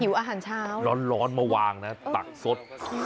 อาหารเช้าร้อนมาวางนะตักสด